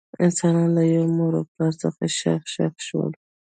انسانان له یوه مور او پلار څخه شاخ شاخ شول.